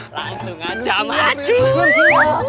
langsung aja maju